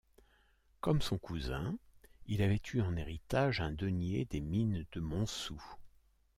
Comme son cousin, il avait eu en héritage un denier des mines de Montsou.